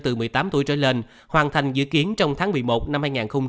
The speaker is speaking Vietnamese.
từ một mươi tám tuổi trở lên hoàn thành dự kiến trong tháng một mươi một năm hai nghìn hai mươi